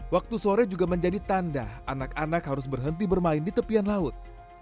waktu sore juga menjadi tanda anak anak harus berhenti bermain di tepian laut